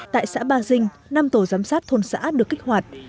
tại xã ba dinh năm tổ giám sát thôn xã được kích hoạt